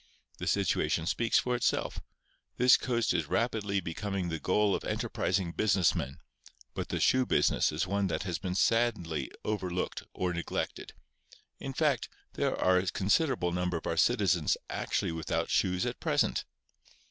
The situation speaks for itself. This coast is rapidly becoming the goal of enterprising business men, but the shoe business is one that has been sadly overlooked or neglected. In fact, there are a considerable number of our citizens actually without shoes at present.